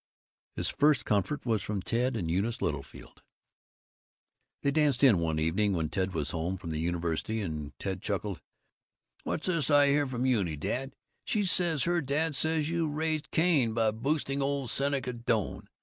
His first comfort was from Ted and Eunice Littlefield. They danced in one evening when Ted was home from the university, and Ted chuckled, "What's this I hear from Euny, dad? She says her dad says you raised Cain by boosting old Seneca Doane.